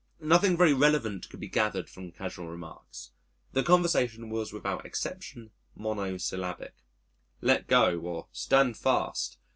Nothing very relevant could be gathered from casual remarks. The conversation was without exception monosyllabic: "Let go," or "Stand fast."